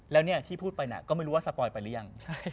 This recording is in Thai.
แล้วเนี่ยที่พูดไปก็ไม่รู้ว่าสปอยไปหรือยัง